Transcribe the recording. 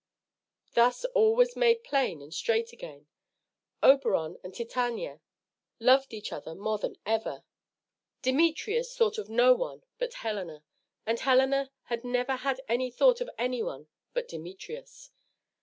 Thus all was made plain and straight again. Oberon and Titania loved each other more than ever. Demetrius thought of no one but Helena, and Helena had never had any thought of anyone but Demetrius.